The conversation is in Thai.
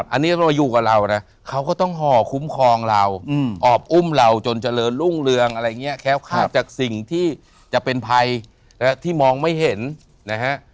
อันนี้เราอยู่กับเรานะเขาก็ต้องห่อคุ้มครองเราออบอุ้มเราจนเจริญรุ่งเรืองอะไรอย่างนี้แค้วคาดจากสิ่งที่จะเป็นภัยที่มองไม่เห็นนะฮะ